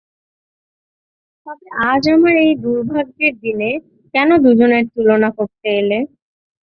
তবে আজ আমার এই দুর্ভাগ্যের দিনে কেন দুজনের তুলনা করতে এলে।